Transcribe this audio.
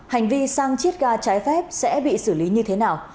hành vi sang chiếc ga trái phép sẽ bị xử lý như thế nào